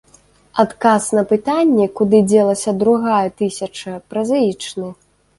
Адказ на пытанне, куды дзелася другая тысяча, празаічны.